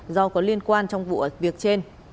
do có liên quan trong vụ việc trên